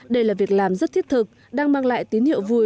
đây là việc làm rất thiết thực đang mang lại tín hiệu vui